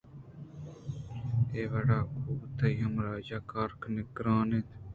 اے وڑ ءَ گوں تئی ہمراہی ءَ کار کنگ گرٛان اِنت